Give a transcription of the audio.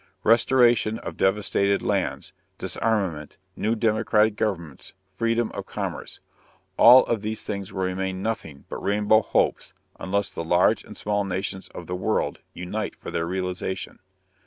Restoration of devastated lands, disarmament, new democratic governments, freedom of commerce, all of these things will remain nothing but rainbow hopes unless the large and small nations of the world unite for their realization.